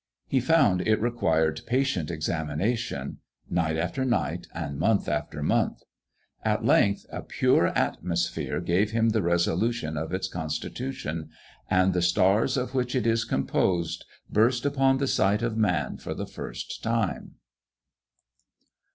He found it required patient examination night after night, and month after month. At length, a pure atmosphere gave him the resolution of its constitution; and the stars of which it is composed burst upon the sight of man for the first time!"